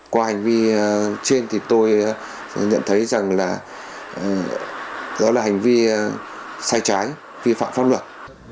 qua hành vi trên thì tôi nhận thấy rằng là đó là hành vi sai trái vi phạm pháp luật